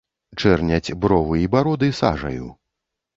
Чэрняць бровы й бароды сажаю.